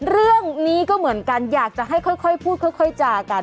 เรื่องนี้ก็เหมือนกันอยากจะให้ค่อยพูดค่อยจากัน